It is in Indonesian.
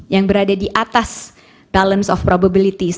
yang berada di atas talents of probabilities